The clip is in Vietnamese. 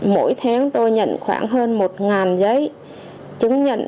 mỗi tháng tôi nhận khoảng hơn một giấy chứng nhận